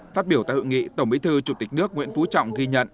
phát biểu tại hội nghị tổng bí thư chủ tịch nước nguyễn phú trọng ghi nhận